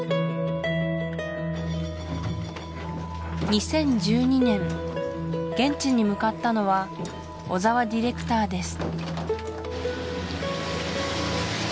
２０１２年現地に向かったのは小澤ディレクターです